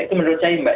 itu menurut saya mbak